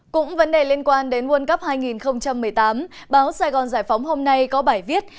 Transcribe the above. cũng vấn đề liên quan đến world cup hai nghìn một mươi tám báo sài gòn giải phóng hôm nay có bài viết